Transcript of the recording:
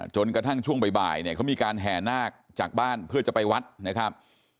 จนกระทั่งช่วงบ่ายเนี่ยเขามีการแห่นาคจากบ้านเพื่อจะไปวัดนะครับ